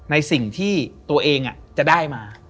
ในสิ่งที่ตัวเองจะได้มา